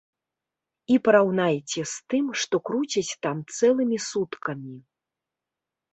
І параўнайце з тым, што круцяць там цэлымі суткамі.